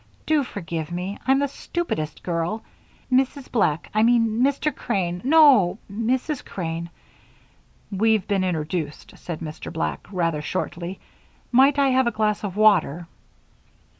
Do forgive me I'm the stupidest girl. Mrs. Black I mean Mr. Crane no, Mrs. Crane " "We've been introduced," said Mr. Black, rather shortly. "Might I have a glass of water?"